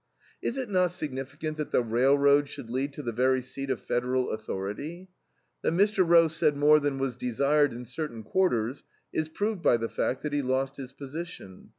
Is it not significant that the railroad should lead to the very seat of Federal authority? That Mr. Roe said more than was desired in certain quarters is proved by the fact that he lost his position.